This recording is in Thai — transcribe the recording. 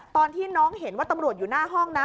ตอนที่น้องเห็นว่าตำรวจอยู่หน้าห้องนะ